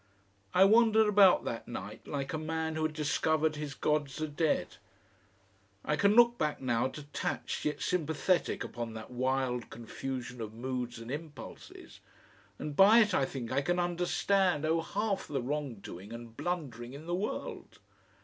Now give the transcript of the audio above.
I wandered about that night like a man who has discovered his Gods are dead. I can look back now detached yet sympathetic upon that wild confusion of moods and impulses, and by it I think I can understand, oh! half the wrongdoing and blundering in the world.